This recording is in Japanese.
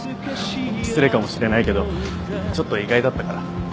失礼かもしれないけどちょっと意外だったから。